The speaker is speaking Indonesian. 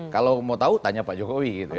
kalau mau tahu tanya pak jokowi gitu ya